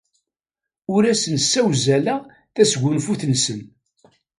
Ur asen-ssewzaleɣ tasgunfut-nsen.